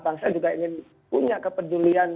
bangsa juga ingin punya kepedulian